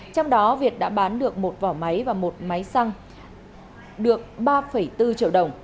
trong đó việt đã bán được một vỏ máy và một máy xăng được ba bốn triệu đồng